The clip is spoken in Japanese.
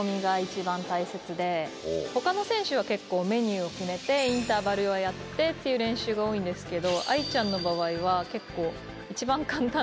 他の選手は結構メニューを決めてインターバルをやってっていう練習が多いんですけど。